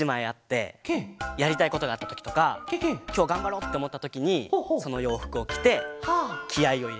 やりたいことがあったときとかきょうがんばろうっておもったときにそのようふくをきてきあいをいれてる。